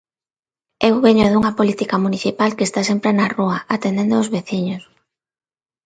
Eu veño dunha política municipal que está sempre na rúa, atendendo os veciños.